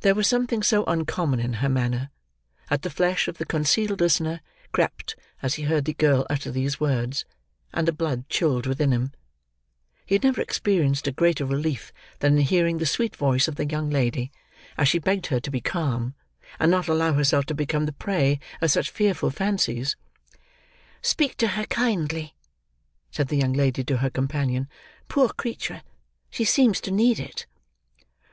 There was something so uncommon in her manner, that the flesh of the concealed listener crept as he heard the girl utter these words, and the blood chilled within him. He had never experienced a greater relief than in hearing the sweet voice of the young lady as she begged her to be calm, and not allow herself to become the prey of such fearful fancies. "Speak to her kindly," said the young lady to her companion. "Poor creature! She seems to need it."